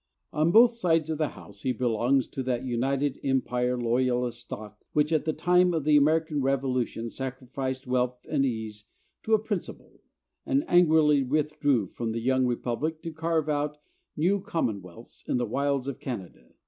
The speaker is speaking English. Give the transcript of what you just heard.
On both sides of the house he belongs to that United Empire Loyalist stock which at the time of the American Revolution sacrificed wealth and ease to a principle, and angrily withdrew from the young republic to carve out new commonwealths in the wilds of Canada.